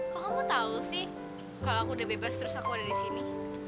kok kamu tau sih kalau aku udah bebas terus aku ada di sini